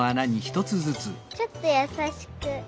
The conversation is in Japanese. ちょっとやさしく。